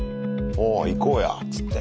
おお行こうやっつって。